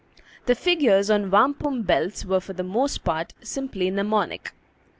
The figures on wampum belts were, for the most part, simply mnemonic.